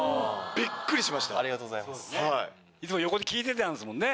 いつも横で聞いてたんすもんね。